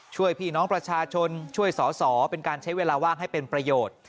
ช่วยพี่น้องประชาชนช่วยสอสอเป็นการใช้เวลาว่างให้เป็นประโยชน์